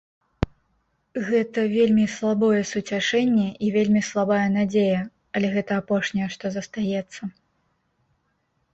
Гэта вельмі слабое суцяшэнне і вельмі слабая надзея, але гэта апошняе, што застаецца.